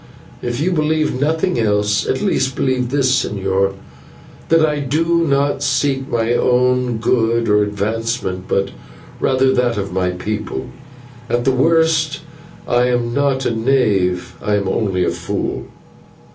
If you believe nothing else, at least believe this, señor, that I do not seek my own good or advancement, but rather that of my people. At the worst, I am not a knave, I am only a fool."